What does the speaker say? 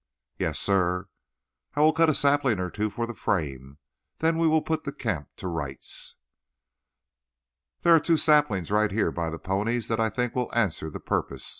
"Yes, sir." "I will cut a sapling or two for the frame; then we will put the camp to rights." "There are two saplings right here by the ponies that I think will answer the purpose.